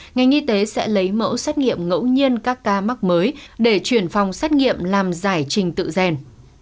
ngành y tế sẽ lấy mẫu xét nghiệm ngẫu nhiên các ca mắc mới để chuyển phòng xét nghiệm làm giải trình tự gen